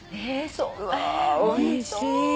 うわおいしい。